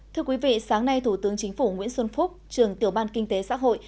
thưa quý vị sáng nay thủ tướng chính phủ nguyễn xuân phúc trường tiểu ban kinh tế xã hội